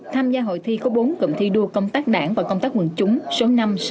tham gia hội thi có bốn cộng thi đua công tác đảng và công tác nguồn chúng số năm sáu bảy tám